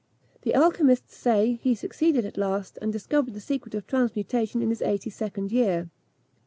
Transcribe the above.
The alchymists say, that he succeeded at last, and discovered the secret of transmutation in his eighty second year.